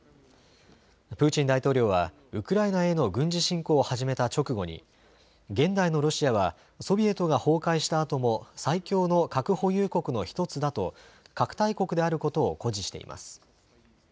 プーチン大統領はウクライナへの軍事侵攻を始めた直後に現代のロシアはソビエトが崩壊したあとも最強の核保有国の１つだと核大国であることを誇示しています。